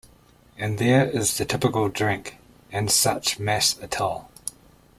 And there is the typical drink and Such mass Atol.